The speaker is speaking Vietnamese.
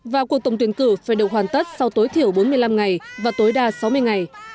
và cuộc tổng tuyển cử phải được hoàn tất sau tối thiểu bốn mươi năm ngày và tối đa sáu mươi ngày